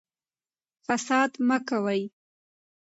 فساد مه کوئ